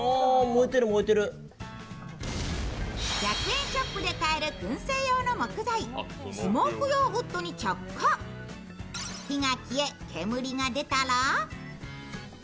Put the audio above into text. １００円ショップで買えるくん製用の木材スモーク用ウッドに着火。